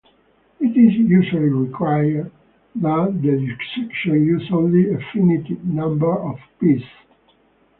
It is usually required that the dissection use only a finite number of pieces.